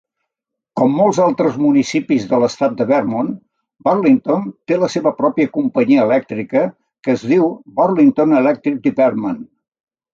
Com molts altres municipis de l'estat de Vermont, Burlington té la seva pròpia companyia elèctrica, que es diu Burlington Electric Department.